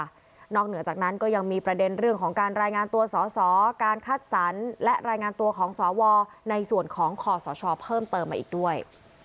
นอกเหนือจากนั้นก็ยังมีประเด็นเรื่องของการรายงานตัวสอสอการคัดสรรและรายงานตัวของสวในส่วนของคอสชเพิ่มเติมมาอีกด้วย